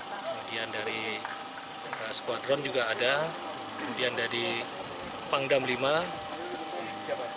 kemudian dari skuadron juga ada kemudian dari pangdam v